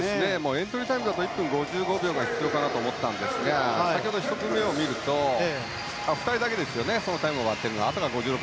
エントリータイムだと１分５５秒が必要かなと思ったんですが先ほど１組目を見ると２人だけですねそのタイムを割ってるのは。